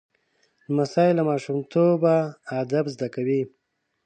لمسی له ماشومتوبه ادب زده کوي.